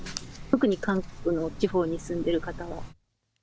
特に韓国の地方に住んでいる方は。